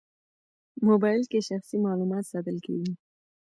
موبایل کې شخصي معلومات ساتل کېږي.